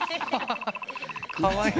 かわいい。